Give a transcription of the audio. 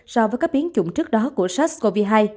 so với các biến chủng trước đó của sars cov hai